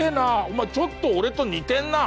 お前ちょっと俺と似てんな。